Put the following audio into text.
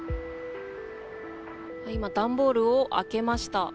今、段ボールを開けました。